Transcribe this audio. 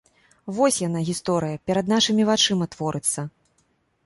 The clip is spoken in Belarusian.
Вось яна, гісторыя, перад нашымі вачыма творыцца.